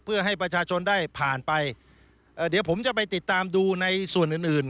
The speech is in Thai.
เพื่อให้ประชาชนได้ผ่านไปเอ่อเดี๋ยวผมจะไปติดตามดูในส่วนอื่นอื่น